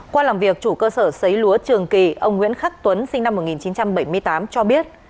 qua làm việc chủ cơ sở xấy lúa trường kỳ ông nguyễn khắc tuấn sinh năm một nghìn chín trăm bảy mươi tám cho biết